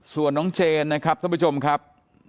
ส่วนน้องเจนนะครับท่านผู้ชมครับ